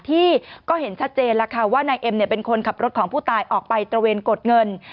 ที่ก็เห็นชัดเจนแล้วค่ะว่านายเอ็มเป็นคนขับรถของผู้ตายออกไปตระเวนกดเงิน